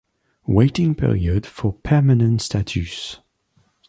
Waiting Period for Permanent Status.